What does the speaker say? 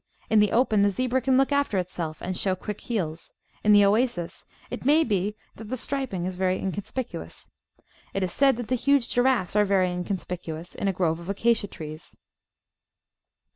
In the open the zebra can look after itself and show qmck heels ; in the oasis it may be that the striping is very inconspicuous. It is said that the huge giraffes are very inconspicuous in a grove of acacia trees.